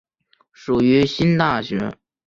属于新大学。